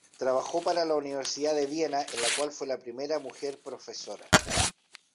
Trabajó para la Universidad de Viena, en la que fue la primera mujer profesora.